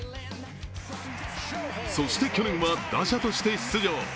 そして、去年は打者として出場。